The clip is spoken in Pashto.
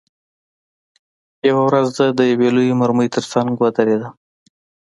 یوه ورځ زه د یوې لویې مرمۍ ترڅنګ ودرېدم